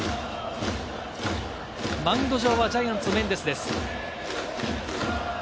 マウンド上はジャイアンツ、メンデスです。